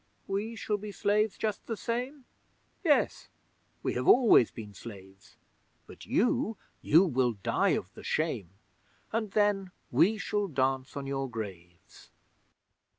We shall be slaves just the same? Yes, we have always been slaves, But you you will die of the shame, And then we shall dance on your graves!